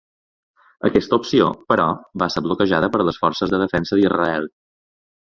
Aquesta opció, però, va ser bloquejada per les Forces de Defensa d'Israel.